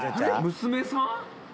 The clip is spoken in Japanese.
娘さん？